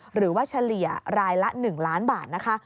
หรือว่าเฉลี่ยรายละ๑ล้านบาท